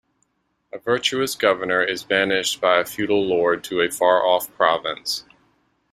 A virtuous governor is banished by a feudal lord to a far-off province.